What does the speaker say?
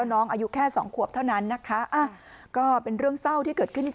น้องอายุแค่สองขวบเท่านั้นนะคะอ่ะก็เป็นเรื่องเศร้าที่เกิดขึ้นที่